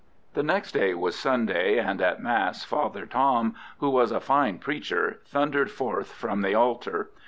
The next day was Sunday, and at mass Father Tom, who was a fine preacher, thundered forth from the altar.